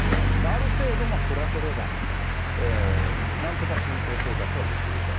ある程度暮らせれば、なんとか信仰生活はできると。